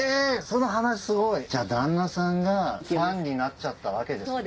その話すごい！じゃあ旦那さんがファンになっちゃったわけですね。